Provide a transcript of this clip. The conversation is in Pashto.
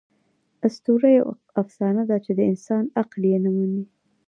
آسطوره یوه افسانه ده، چي د انسان عقل ئې نه مني.